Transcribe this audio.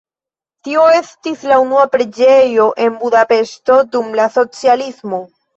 Tio estis la una preĝejo en Budapeŝto dum la socialismo.